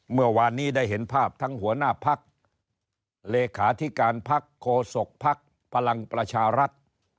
เมื่อวานนี้ได้เห็นภาพทั้งหัวหน้าพักเลขาธิการพักโคศกภักดิ์พลังประชารัฐ